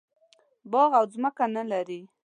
باغ او ځمکه نه لري.